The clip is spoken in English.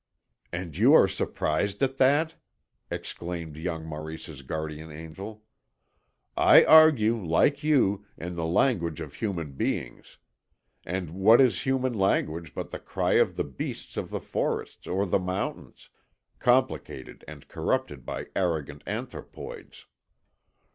"And you are surprised at that!" exclaimed young Maurice's guardian angel. "I argue, like you, in the language of human beings. And what is human language but the cry of the beasts of the forests or the mountains, complicated and corrupted by arrogant anthropoids.